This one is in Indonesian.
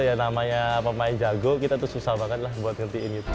yang namanya pemain jago kita tuh susah banget lah buat ngertiin gitu